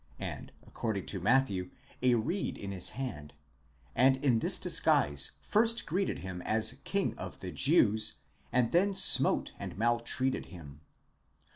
put, according to Matthew, a reed in his hand, and in this disguise first greeted him as King of the Jews, and then smote and maltreated him."